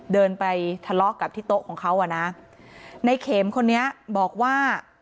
เดินไปทะเลาะกับที่โต๊ะของเขาอ่ะนะในเข็มคนนี้บอกว่า